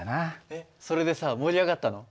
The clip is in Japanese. えっそれでさ盛り上がったの？